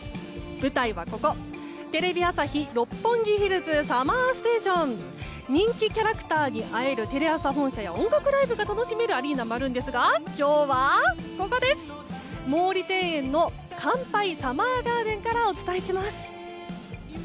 舞台は「テレビ朝日・六本木ヒルズＳＵＭＭＥＲＳＴＡＴＩＯＮ」人気キャラクターに会えるテレ朝本社や音楽ライブが楽しめるアリーナもあるんですが今日は毛利庭園の「ＫＡＮＰＡＩＳＵＭＭＥＲＧＡＲＤＥＮ」からお伝えします。